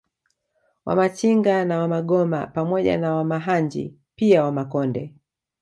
Wamachinga na Wamagoma pamoja na Wamahanji pia Wamakonde